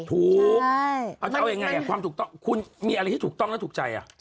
ถูกจะเอายังไงความถูกต้องคุณมีอะไรที่ถูกต้องและถูกใจ